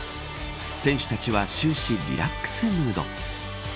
選手たちは終始リラックスムード。